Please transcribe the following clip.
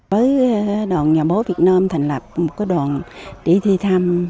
với đoàn nhà bố việt nam thành lập một đoàn để thi thăm